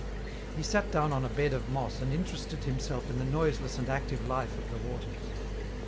He sat down on a bed of moss and interested himself in the noiseless and active life of the waters.